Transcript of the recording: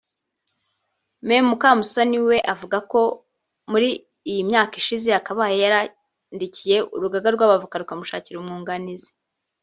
Me Mukamusoni we avuga ko muri iyi myaka ishize yakabaye yarandikiye urugaga rw’abavoka rukamushakira umwunganizi